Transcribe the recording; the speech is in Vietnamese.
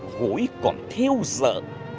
gối còn theo giờ